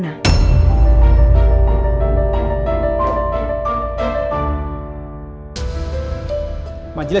tidak ada masalah